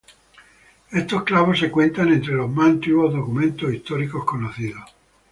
Estos clavos se cuentan entre los más antiguos documentos históricos conocidos.